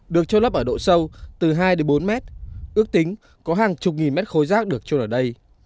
được trô lấp ở độ sâu từ hai đến bốn mét ước tính có hàng chục nghìn mét khối rác được trôi ở đây